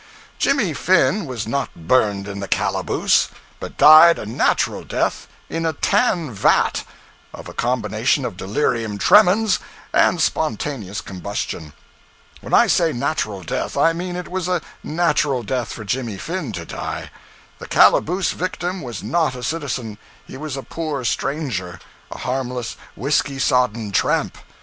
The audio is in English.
Jimmy Finn was not burned in the calaboose, but died a natural death in a tan vat, of a combination of delirium tremens and spontaneous combustion. When I say natural death, I mean it was a natural death for Jimmy Finn to die. The calaboose victim was not a citizen; he was a poor stranger, a harmless whiskey sodden tramp.